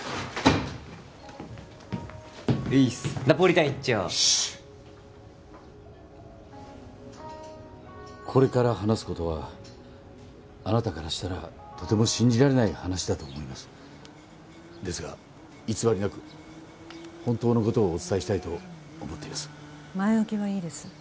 ナポリタン一丁シーッこれから話すことはあなたからしたらとても信じられない話だと思いますですが偽りなく本当のことをお伝えしたいと思っています